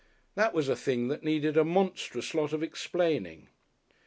That was a thing that needed a monstrous lot of explaining.